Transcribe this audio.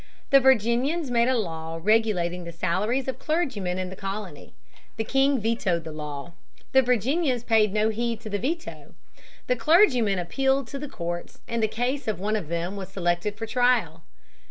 The Virginians made a law regulating the salaries of clergymen in the colony. The king vetoed the law. The Virginians paid no heed to the veto. The clergy men appealed to the courts and the case of one of them was selected for trial.